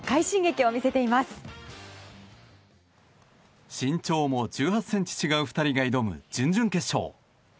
身長も１８ｃｍ違う２人が挑む準々決勝。